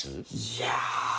いや。